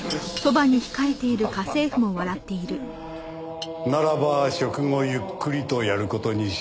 ならば食後ゆっくりとやる事にしよう。